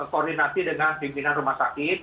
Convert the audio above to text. koordinasi dengan pimpinan rumah sakit